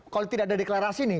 kalau tidak ada deklarasi nih